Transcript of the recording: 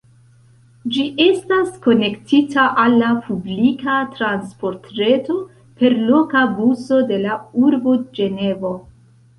Ĝi estas konektita al la publika transportreto per loka buso de la urbo Ĝenevo.